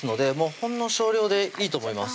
ほんの少量でいいと思います